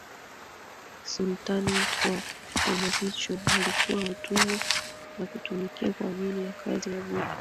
Sultanate wa Omanhicho walikuwa watumwa na kutumika kwa ajili ya kazi ya bure